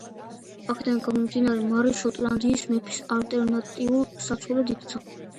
აქედან გამომდინარე, მარი შოტლანდიის მეფის ალტერნატიულ საცოლედ იქცა.